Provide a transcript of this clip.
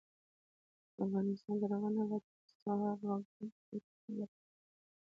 افغانستان تر هغو نه ابادیږي، ترڅو هر وګړی د خپل کار مالک نشي.